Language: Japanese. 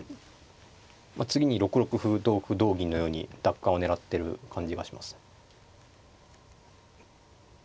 次に６六歩同歩同銀のように奪還を狙ってる感じがします。